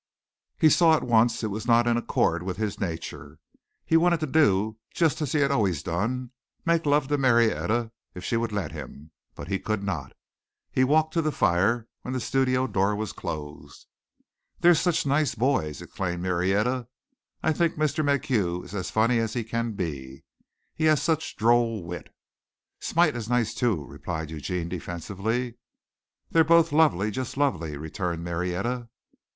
He saw at once it was not in accord with his nature. He wanted to do just as he had always done make love to Marietta if she would let him, but he could not. He walked to the fire when the studio door was closed. "They're such nice boys," exclaimed Marietta. "I think Mr. MacHugh is as funny as he can be. He has such droll wit." "Smite is nice too," replied Eugene defensively. "They're both lovely just lovely," returned Marietta.